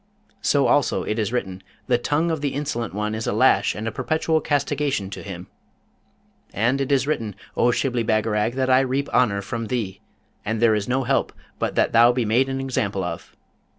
So also it is written, The tongue of the insolent one is a lash and a perpetual castigation to him. And it is written, O Shibli Bagarag, that I reap honour from thee, and there is no help but that thou be made an example of.'